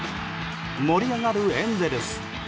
盛り上がるエンゼルス。